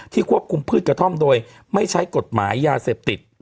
ควบคุมพืชกระท่อมโดยไม่ใช้กฎหมายยาเสพติด